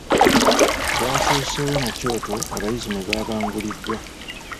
Gwasoosewo na kyoto abayizi mwe baabanguliddwa.